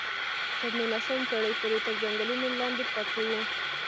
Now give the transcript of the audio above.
تر نولسمې پېړۍ پورې تر ځنګلونو لاندې پاتې وو.